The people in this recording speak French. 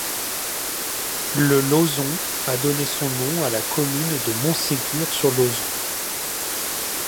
Le Lauzon a donné son nom à la commune de Montségur-sur-Lauzon.